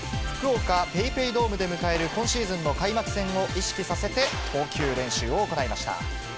福岡ＰａｙＰａｙドームで迎える今シーズンの開幕戦を意識させて、投球練習を行いました。